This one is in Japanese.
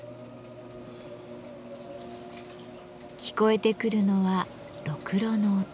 聞こえてくるのはろくろの音。